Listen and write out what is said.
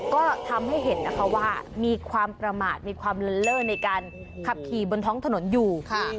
ก็ทำให้เห็นว่ามีความประมาทมีความเร็วในการผ่าขี่บนท้องถนนอยู่